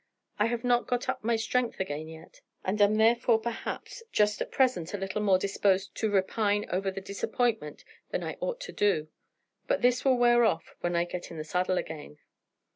I have not got up my strength again yet, and am therefore perhaps just at present a little more disposed to repine over the disappointment than I ought to do; but this will wear off when I get in the saddle again.